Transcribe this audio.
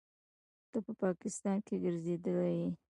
ته په پاکستان کښې ګرځېدلى يې.